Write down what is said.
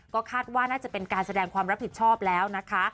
ก็คาดว่าน่าจะเป็นการแสดงความรับผิดชอบแล้วนะคะ